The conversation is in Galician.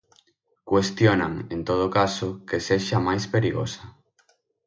Cuestionan, en todo caso, que sexa máis perigosa.